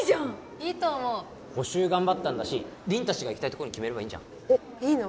いいと思う補習頑張ったんだし凛達が行きたいとこ決めればいいじゃんえっいいの？